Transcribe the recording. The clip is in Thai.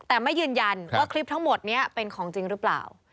แต่ไม่ยืนยันว่าคลิปทั้งหมดนี้เป็นของจริงหรือเปล่า